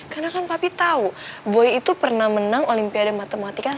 karena kan papi tau boy itu pernah menang olimpiade matematika